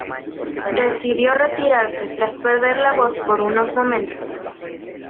Decidió retirarse tras perder la voz por unos momentos.